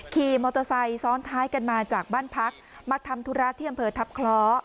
ขี่มอเตอร์ไซค์ซ้อนท้ายกันมาจากบ้านพักมาทำธุระที่อำเภอทัพคล้อ